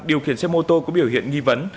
điều khiển xe mô tô có biểu hiện nghi vấn